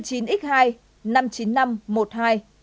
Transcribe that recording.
biển số năm mươi chín x hai năm mươi chín nghìn năm trăm một mươi hai